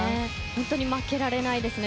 本当に負けられないですね